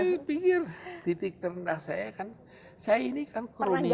saya pikir titik terendah saya kan saya ini kan kronik